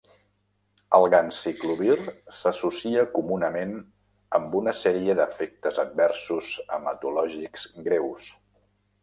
El ganciclovir s'associa comunament amb una sèrie d'efectes adversos hematològics greus.